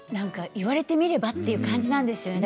言われてみればという感じなんですよね。